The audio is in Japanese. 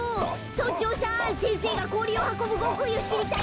村長さん先生がこおりをはこぶごくいをしりたいといっています。